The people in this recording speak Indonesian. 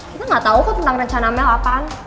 kita gak tau kok tentang rencana mel apaan